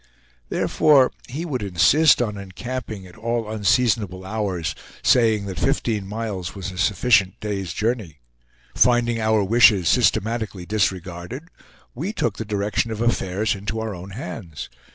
Therefore, he would insist on encamping at all unseasonable hours, saying that fifteen miles was a sufficient day's journey. Finding our wishes systematically disregarded, we took the direction of affairs into our own hands.